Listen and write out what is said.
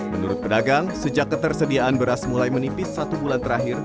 menurut pedagang sejak ketersediaan beras mulai menipis satu bulan terakhir